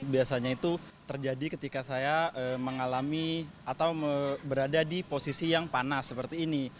berada di posisi yang panas seperti ini